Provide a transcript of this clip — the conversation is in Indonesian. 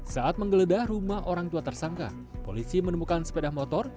saat menggeledah rumah orang tua tersangka polisi menemukan sepeda motor